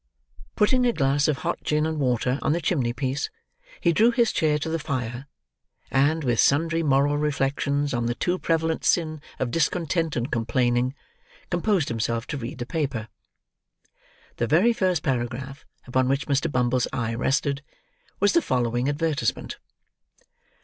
Putting a glass of hot gin and water on the chimney piece, he drew his chair to the fire; and, with sundry moral reflections on the too prevalent sin of discontent and complaining, composed himself to read the paper. The very first paragraph upon which Mr. Bumble's eye rested, was the following advertisement.